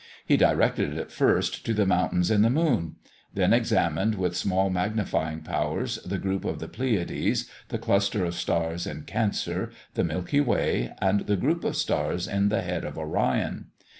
He directed it first to the mountains in the moon; then examined with small magnifying powers the group of the Pleiades, the cluster of stars in Cancer, the Milky Way, and the group of stars in the head of Orion.